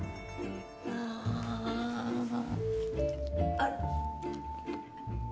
あら。